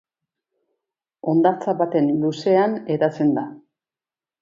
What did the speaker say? Hondartza baten luzean hedatzen da.